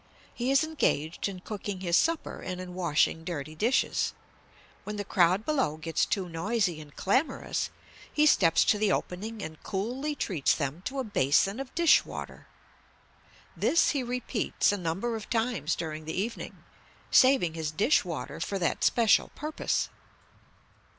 He is engaged in cooking his supper and in washing dirty dishes; when the crowd below gets too noisy and clamorous he steps to the opening and coolly treats them to a basin of dish water. This he repeats a number of times during the evening, saving his dish water for that special purpose.